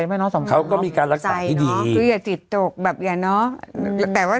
ไม่ต้องมันก็แบบทุกคนก็ป่วยด้าย